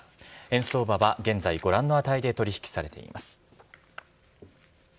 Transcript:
円相場は現在ご覧の値で取り引きされています。